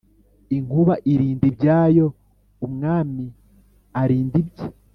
inkuba irinda ibyayo umwami arinda ibye.